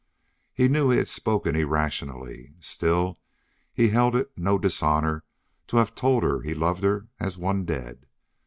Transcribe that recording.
He knew he had spoken irrationally; still he held it no dishonor to have told her he loved her as one dead.